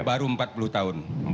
baru empat puluh tahun